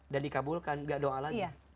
dan dikabulkan gak doa lagi